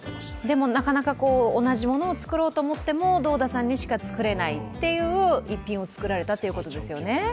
でもなかなか同じものを造ろうと思っても堂田さんにしか造れないという逸品を造られたということですよね。